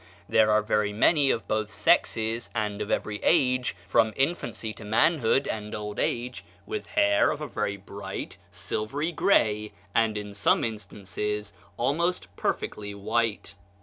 There are very many of both sexes, and of every age, from infancy to manhood and old age, with hair of a bright silvery gray, and in some instances almost perfectly white.